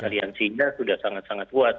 aliansinya sudah sangat sangat kuat